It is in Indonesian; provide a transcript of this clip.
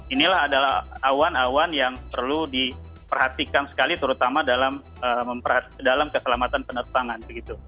inilah adalah awan awan yang perlu diperhatikan sekali terutama dalam keselamatan penerbangan